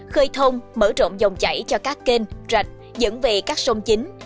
khơi thông mở rộng dòng chảy cho các kênh rạch dẫn về các sông chính